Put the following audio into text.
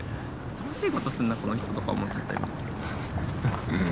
恐ろしいことすんなこの人とか思っちゃった今。